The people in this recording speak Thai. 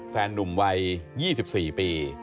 แฟนนุ่มวัย๒๔ปี